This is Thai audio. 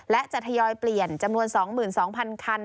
และจะทยอยเปลี่ยนจำนวน๒๒๐๐คัน